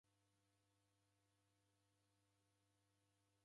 Mchure